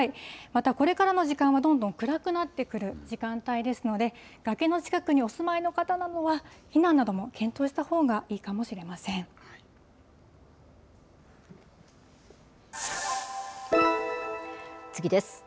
また、これからの時間はどんどん暗くなってくる時間帯ですので、崖の近くにお住まいの方などは、避難なども検討したほうがいいか次です。